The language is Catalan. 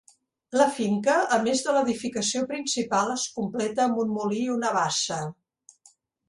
La finca, a més de l'edificació principal es completa amb un molí i una bassa.